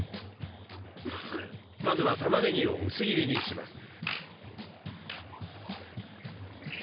まずはたまねぎを薄切りにします。